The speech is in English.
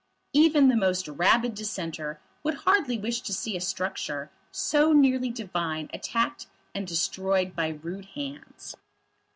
Even the most rabid Dissenter would hardly wish to see a structure so nearly divine attacked and destroyed by rude hands.